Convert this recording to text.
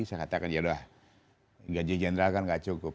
saya katakan yaudah gaji general kan tidak cukup